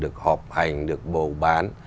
được họp hành được bầu bán